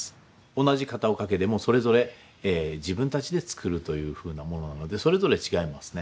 同じ片岡家でもそれぞれ自分たちで作るというふうなものなのでそれぞれ違いますね。